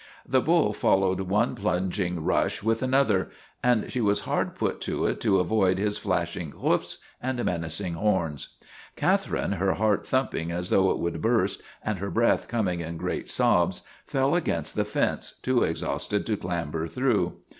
The bull followed one plunging rush with another, and she was hard put to it to avoid his flashing hoofs and menacing horns. Catherine, her heart thumping as though it would burst and her breath coming in great sobs, fell against the fence, too exhausted to clamber through.